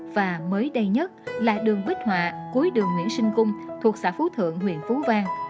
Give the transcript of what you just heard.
và mới đây nhất là đường bích họa cuối đường nguyễn sinh cung thuộc xã phú thượng huyện phú vang